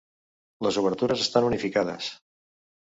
Les obertures estan unificades.